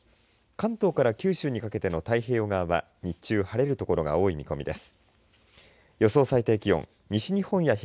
関東から九州にかけての太平洋側は日中晴れる所が多い見込みです。